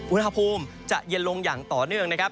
อุณหภูมิจะเย็นลงอย่างต่อเนื่องนะครับ